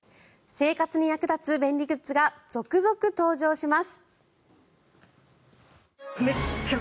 生活に役立つ便利グッズが続々登場します。